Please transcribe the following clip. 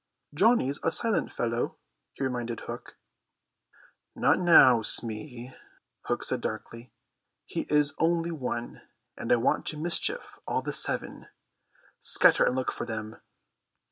"Johnny's a silent fellow," he reminded Hook. "Not now, Smee," Hook said darkly. "He is only one, and I want to mischief all the seven. Scatter and look for them."